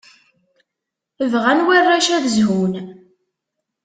Bɣan warrac ad zhun.